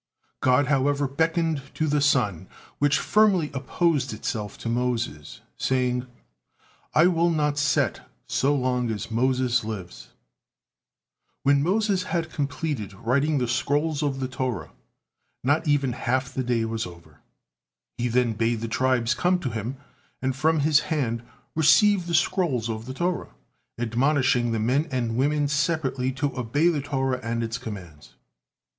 God, however, beckoned to the sun, which firmly opposed itself to Moses, saying, "I will not set, so long as Moses lives." When Moses had completed writing the scrolls of the Torah, not even half the day was over. He then bade the tribes come to him, and from his hand receive the scrolls of the Torah, admonishing the men and women separately to obey the Torah and its commands.